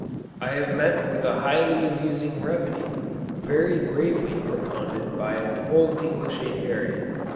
I have met with a highly amusing remedy very gravely propounded by an old English Apiarian.